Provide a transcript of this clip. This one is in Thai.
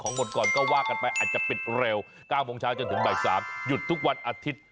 หมดก่อนก็ว่ากันไปอาจจะปิดเร็ว๙โมงเช้าจนถึงบ่าย๓หยุดทุกวันอาทิตย์